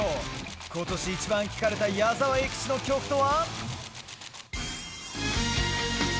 今年イチバン聴かれた矢沢永吉の曲とは？